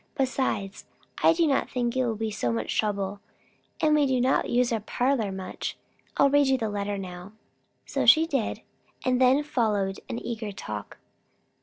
Besides, I do not think it will be so much trouble. And we do not use our parlour much. I'll read you the letter now." So she did; and then followed an eager talk.